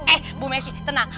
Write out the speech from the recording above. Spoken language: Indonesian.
eh bu messi tenang